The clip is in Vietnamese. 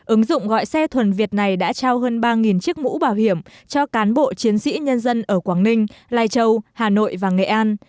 ứng dụng gọi xe thuần việt này đã trao hơn ba chiếc mũ bảo hiểm cho cán bộ chiến sĩ nhân dân ở quảng ninh lai châu hà nội và nghệ an